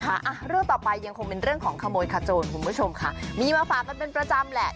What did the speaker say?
อ่ะเรื่องต่อไปยังคงเป็นเรื่องของขโมยขโจรคุณผู้ชมค่ะมีมาฝากกันเป็นประจำแหละ